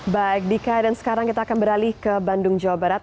baik dika dan sekarang kita akan beralih ke bandung jawa barat